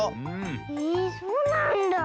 へえそうなんだ。